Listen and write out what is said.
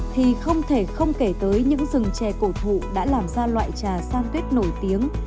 thì không thể không kể tới những rừng chè cổ thụ đã làm ra loại trà san tuyết nổi tiếng